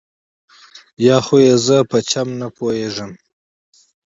یا خو یې زه په چل نه پوهېږم.